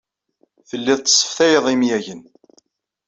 Telliḍ tesseftayeḍ imyagen.